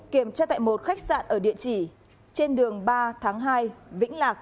kiểm tra tại một khách sạn ở địa chỉ trên đường ba tháng hai vĩnh lạc